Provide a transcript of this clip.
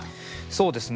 そうですね。